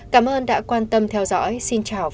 cảm ơn đã quan tâm theo dõi xin chào và hẹn gặp lại